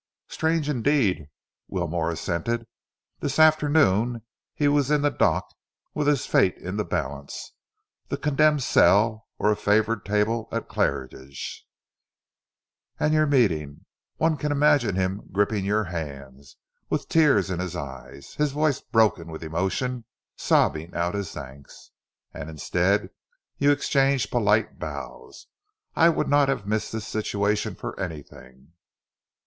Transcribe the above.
"Strange indeed," Wilmore assented. "This afternoon he was in the dock, with his fate in the balance the condemned cell or a favoured table at Claridge's. And your meeting! One can imagine him gripping your hands, with tears in his eyes, his voice broken with emotion, sobbing out his thanks. And instead you exchange polite bows. I would not have missed this situation for anything."